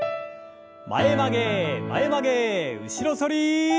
前曲げ前曲げ後ろ反り。